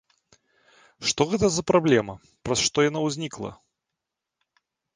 Што гэта за праблема, праз што яна ўзнікла?